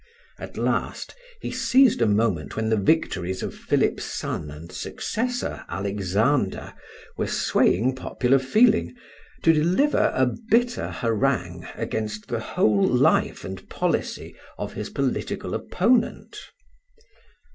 At last he seized a moment when the victories of Philip's son and successor, Alexander, were swaying popular feeling, to deliver a bitter harangue against the whole life and policy of his political opponent.